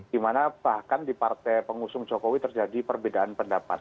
dimana bahkan di partai pengusung jokowi terjadi perbedaan pendapat